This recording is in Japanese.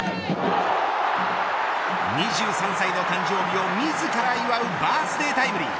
２３歳の誕生日を自ら祝うバースデータイムリー。